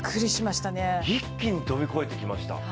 一気に飛び越えてきました。